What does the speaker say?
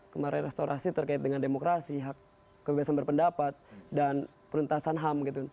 kemarin restorasi terkait dengan demokrasi hak kebebasan berpendapat dan peruntasan ham gitu